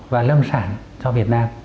và lâm sản cho việt nam